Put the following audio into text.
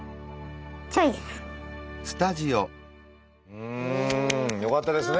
うん！よかったですね。